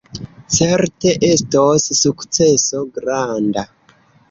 Certe estos sukceso granda!